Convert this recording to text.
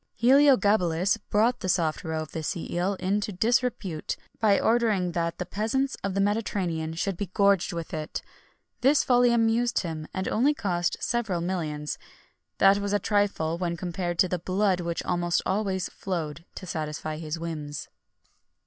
Heliogabalus brought the soft roe of the sea eel into disrepute by ordering that the peasants of the Mediterranean should be gorged with it.[XXI 67] This folly amused him, and only cost several millions. That was a trifle when compared with the blood which almost always flowed to satisfy his whims.